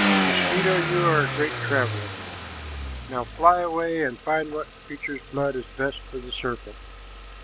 Mosquito, you are a great traveler. Now fly away and find what creature's blood is best for the serpent.